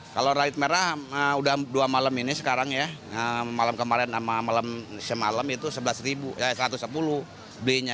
kalau rawit merah udah dua malam ini sekarang ya malam kemarin sama malam semalam itu satu ratus sepuluh b nya